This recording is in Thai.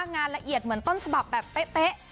ละเอียดเหมือนต้นฉบับแบบเป๊ะ